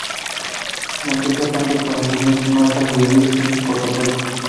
La empresa cuenta con las siguientes marcas de bebidas en su portafolio.